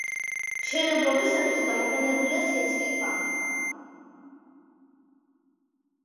მშენებლობისათვის გამოყენებულია თეთრი ქვა.